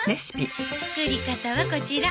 作り方はこちら。